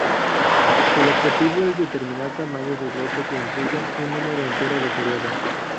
El objetivo es determinar tamaños de lote que incluyan un número entero de periodos.